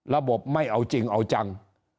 ระบบไม่เอาจริงเอาจัง